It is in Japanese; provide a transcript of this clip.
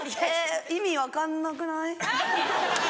意味分かんなくない？